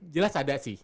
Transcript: jelas ada sih